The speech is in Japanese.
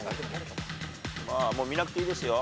見なくていいですよ。